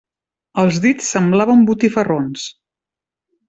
Els dits semblaven botifarrons.